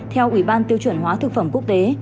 theo ủy ban tiêu chuẩn hóa thực phẩm quốc tế